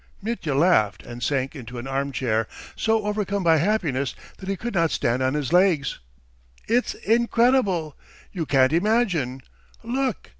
Mitya laughed and sank into an armchair, so overcome by happiness that he could not stand on his legs. "It's incredible! You can't imagine! Look!"